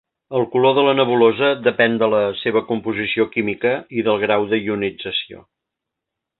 El color de la nebulosa depèn de la seva composició química i del grau de ionització.